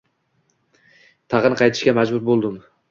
Tag`in qaytishga majbur bo`ldim